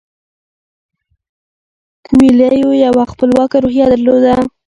کویلیو یوه خپلواکه روحیه درلوده.